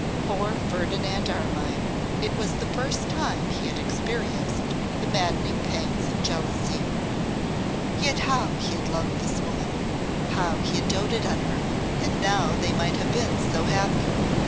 Poor Ferdinand Armine! it was the first time he had experienced the maddening pangs of jealousy. Yet how he had loved this woman! How he had doated on her! And now they might have been so happy!